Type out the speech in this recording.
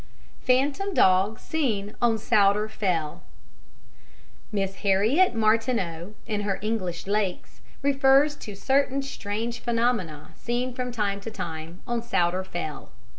Phantom Dog seen on Souter Fell Miss Harriet Martineau, in her English Lakes, refers to certain strange phenomena seen from time to time on Souter Fell.